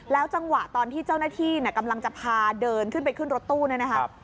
จังหวะตอนที่เจ้าหน้าที่กำลังจะพาเดินขึ้นไปขึ้นรถตู้เนี่ยนะครับ